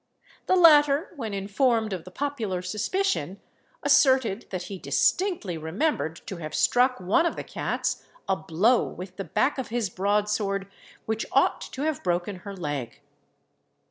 The latter, when informed of the popular suspicion, asserted that he distinctly remembered to have struck one of the cats a blow with the back of his broadsword, which ought to have broken her leg.